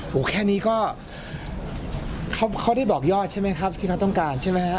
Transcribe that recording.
มีวางแผนทำลัตเทศภัณฑ์เขาได้บอกยอดที่เขาต้องการใช่ไหมครับ